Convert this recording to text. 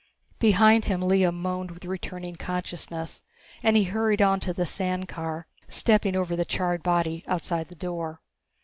Behind him Lea moaned with returning consciousness and he hurried on to the sand car, stepping over the charred body outside the door.